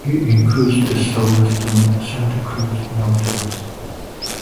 It includes the southwestern Santa Cruz Mountains.